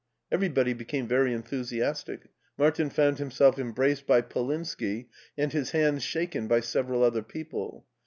Everybody became very enthusiastic ; Martin found himself embraced by Polinski, and his hands shaken by several other people.